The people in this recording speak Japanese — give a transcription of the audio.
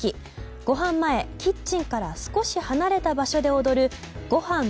ごはん前、キッチンから少し離れた場所で踊るごはん